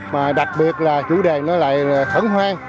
mà đặc biệt là chủ đề nó lại là khẩn hoan